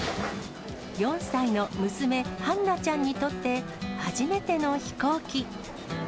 ４歳の娘、はんなちゃんにとって初めての飛行機。